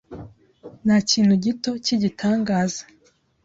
Ntakintu gito kigitangaza.